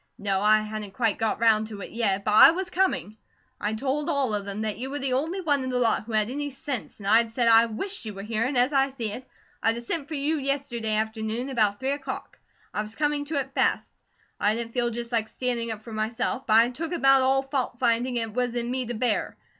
"No, I hadn't quite got round to it yet; but I was coming. I'd told all of them that you were the only one in the lot who had any sense; and I'd said I WISHED you were here, and as I see it, I'd a sent for you yesterday afternoon about three o'clock. I was coming to it fast. I didn't feel just like standing up for myself; but I'd took about all fault finding it was in me to bear.